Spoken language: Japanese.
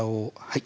はい。